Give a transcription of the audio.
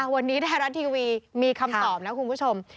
วันนี้ไทยรัฐทีวีมีคำตอบนะคุณผู้ชม